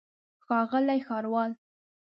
ښاغلی ښاروال.